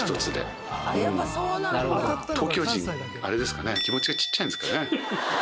東京人、あれですかね、気持ちが小っちゃいんですかね。